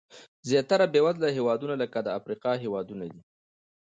زیاتره بېوزله هېوادونه لکه د افریقا هېوادونه دي.